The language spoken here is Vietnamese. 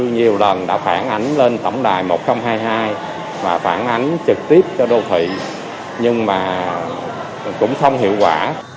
nhiều lần đã phản ánh lên tổng đài một nghìn hai mươi hai và phản ánh trực tiếp cho đô thị nhưng mà cũng không hiệu quả